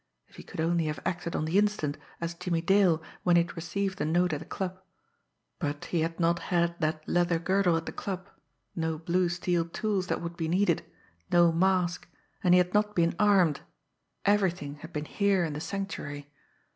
If he could only have acted on the instant, as Jimmie Dale, when he had received the note at the club! But he had not had that leather girdle at the club no blue steel tools that would be needed, no mask, and he had not been armed everything had been here in the Sanctuary.